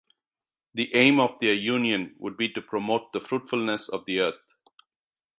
The aim of their union would be to promote the fruitfulness of the earth.